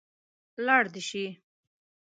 لاړ دې شي.